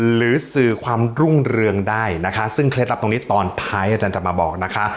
หรือสื่อความรุ่งเรืองได้นะคะซึ่งเคล็ดลับตรงนี้ตอนท้ายอาจารย์จะมาบอกนะคะ